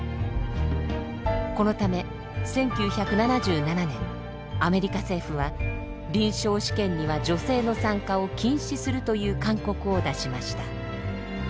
このため１９７７年アメリカ政府は臨床試験には女性の参加を禁止するという勧告を出しました。